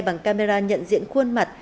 bằng camera nhận diện khuôn mặt